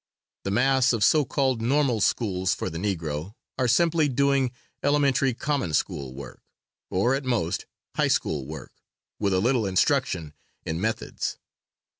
The mass of so called "normal" schools for the Negro, are simply doing elementary common school work, or, at most, high school work, with a little instruction in methods.